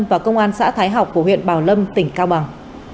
và công an xã thái học của huyện bảo lâm tỉnh cao bằng